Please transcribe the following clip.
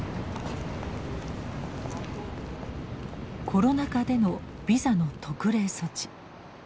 コロナ禍でのビザの特例措置。